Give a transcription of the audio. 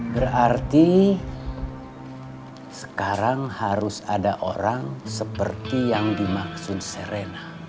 berarti sekarang harus ada orang seperti yang dimaksud serena